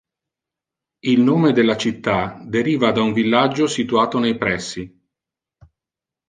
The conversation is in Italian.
Il nome della città deriva da un villaggio situato nei pressi.